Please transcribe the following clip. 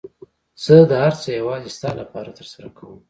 زه دا هر څه يوازې ستا لپاره ترسره کوم.